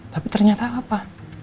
tapi ternyata apa